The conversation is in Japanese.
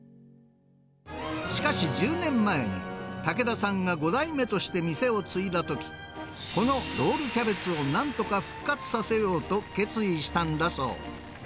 しかし１０年前に、竹田さんが５代目として店を継いだとき、このロールキャベツをなんとか復活させようと決意したんだそう。